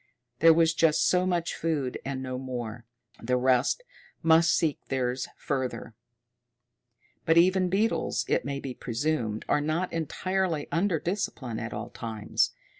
There was just so much food and no more; the rest must seek theirs further. But even beetles, it may be presumed, are not entirely under discipline at all times.